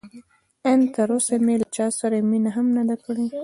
ان تراوسه مې له چا سره مینه هم نه ده کړې.